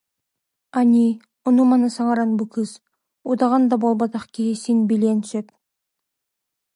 Аньыы, ону-маны саҥаран бу кыыс, удаҕан да буолбатах киһи син билиэн сөп